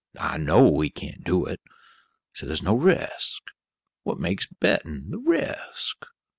"I know he can't do it, so there's no resk. What makes bettin'? The resk.